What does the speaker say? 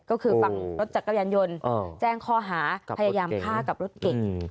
ก็คือฟังรถจักรยานยนต์แจ้งข้อหาพยายามฆ่ากับรถเก่ง